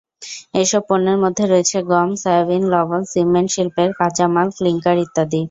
এসব পণ্যের মধ্যে রয়েছে গম, সয়াবিন, লবণ, সিমেন্ট শিল্পের কাঁচামাল ক্লিংকার ইত্যাদি।